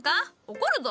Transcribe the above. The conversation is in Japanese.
怒るぞ。